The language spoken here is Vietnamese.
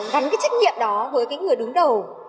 gắn cái trách nhiệm đó với cái người đứng đầu